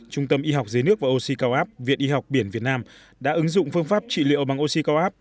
trung tâm y học dưới nước và oxy cao áp viện y học biển việt nam đã ứng dụng phương pháp trị liệu bằng oxy cao áp